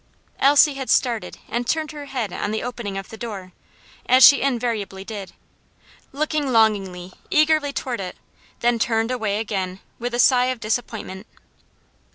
Elsie had started and turned her head on the opening of the door, as she invariably did, looking longingly, eagerly toward it then turned away again with a sigh of disappointment.